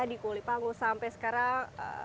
tadi kulipangus sampai sekarang